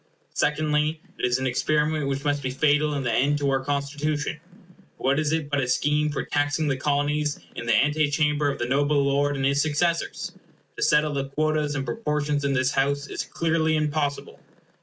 Secondly, it is an experiment which must be fatal in the end to our Constitution. For what is it but a scheme for taxing the Colonies in the ante chamber of the noble lord and his successors? To settle the quotas and proportions in this House is clearly impossible.